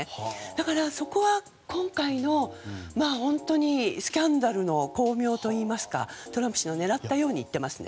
だからそこは今回の本当にスキャンダルの功名といいますかトランプ氏の狙ったようにいっていますね。